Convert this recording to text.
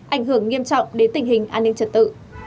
ảnh hưởng nghiêm trọng đến tình hình an ninh trật tự